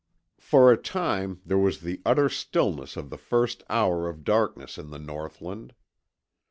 For a time there was the utter stillness of the first hour of darkness in the northland.